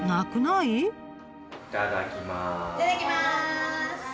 いただきます！